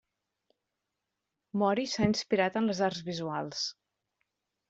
Mori s'ha inspirat en les arts visuals.